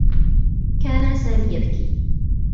كان سامي يبكي.